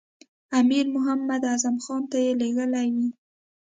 امیر محمد اعظم خان ته یې لېږلی وي.